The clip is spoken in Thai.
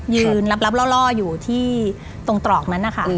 ยืนลับล่ออยู่ที่ตรงตรอกนั้นนะคะ